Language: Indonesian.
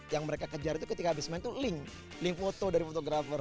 yang mereka kejar itu ketika habis main tuh link link foto dari fotografer